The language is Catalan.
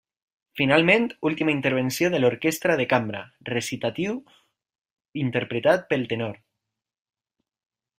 Finalment última intervenció de l'orquestra de cambra, recitatiu interpretat pel tenor.